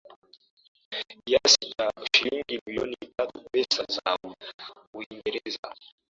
Kiasi cha shilingi milioni tatu pesa za Uingereza